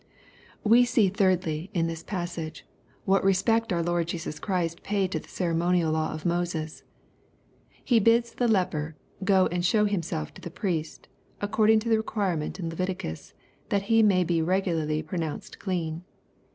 We see, thirdly, in this passage, what respect our ^Lord Jesua Christ paid to the ceremonioJ, law of Moses. He bids the leper " go and show himself to the priest," according to the requirement in Leviticus, that he may be regularly pronounced clean.